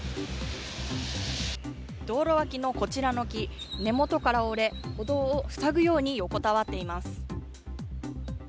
道路脇のこちらの木根元から折れ歩道を塞ぐように横たわっています。